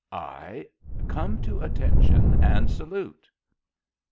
"I Come to attention and salute."